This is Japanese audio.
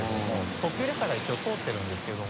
特急列車が一応通ってるんですけれども。